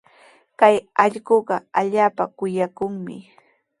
Kay allquuqa allaapa kuyakuqmi.